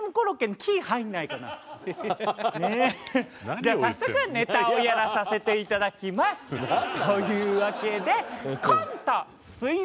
じゃあ早速ネタをやらさせていただきます！というわけでコント「水族館」。